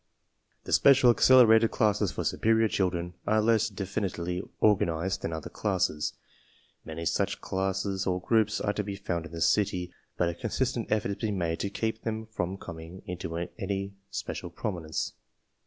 The special accelerated classes for superior children are less definitely organized than other classes. Many such classes or groups are to be found in the city, but a consistent effort is being made to keep them from com ing into any special prominence.